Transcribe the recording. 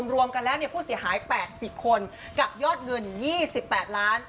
รวมกันแล้วผู้เสียหาย๘๐คนกับยอดเงิน๒๘ล้าน